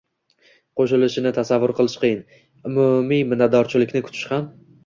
qo‘shilishini tasavvur qilish qiyin. Umumiy minnatdorchilikni kutish ham